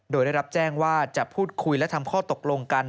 โดยได้รับแจ้งว่าจะพูดคุยและทำข้อตกลงกัน